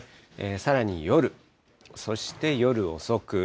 さらに夜、そして夜遅く。